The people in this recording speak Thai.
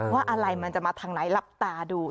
ว่าอะไรมันจะมาทางไหนหลับตาดู